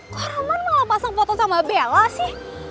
kok rahman malah pasang foto sama bella sih